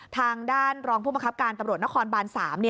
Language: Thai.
ทางด้านรองผู้บังคับการตำรวจนครบาน๓